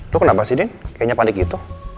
lu kenapa sih din kayaknya panik gitu